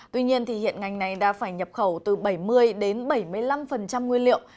tuy nhiên hiện ngành này đã phải nhập khẩu từ bảy mươi đến bảy mươi năm nguyên liệu